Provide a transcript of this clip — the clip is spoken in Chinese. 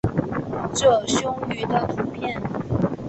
褶胸鱼的图片